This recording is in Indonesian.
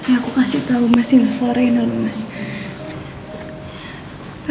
dengan bikin mereka melayan pada masing masing tempat yang di gramsan